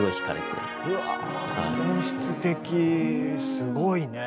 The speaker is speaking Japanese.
すごいね。